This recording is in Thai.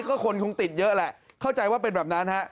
ก็คนคงติดเยอะแหละเข้าใจว่าเป็นแบบนั้นฮะ